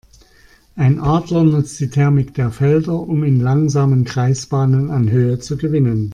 Ein Adler nutzt die Thermik der Felder, um in langsamen Kreisbahnen an Höhe zu gewinnen.